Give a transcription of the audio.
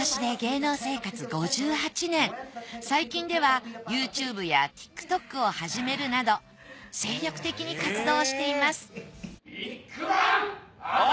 最近ではＹｏｕＴｕｂｅやＴｉｋＴｏｋを始めるなど精力的に活動しています